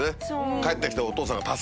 帰って来てお父さんが。